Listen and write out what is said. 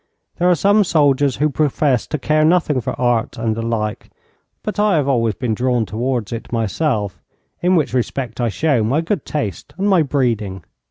There are some soldiers who profess to care nothing for art and the like, but I have always been drawn towards it myself, in which respect I show my good taste and my breeding.